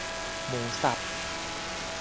หมูสับ